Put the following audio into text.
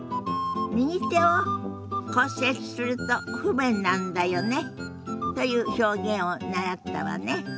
「右手を骨折すると不便なんだよね」という表現を習ったわね。